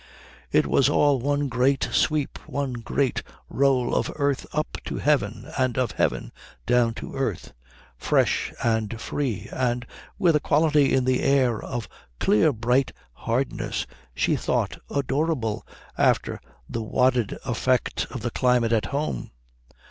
It was all one great sweep, one great roll of earth up to heaven and of heaven down to earth, fresh and free and with a quality in the air of clear bright hardness she thought adorable after the wadded effect of the climate at home.